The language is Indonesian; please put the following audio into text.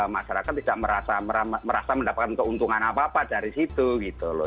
masyarakat tidak merasa mendapatkan keuntungan apa apa dari situ gitu loh